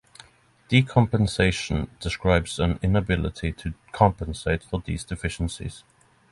Decompensation describes an inability to compensate for these deficiencies.